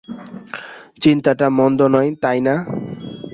চিন্তাটা মন্দ নয়, তাই না?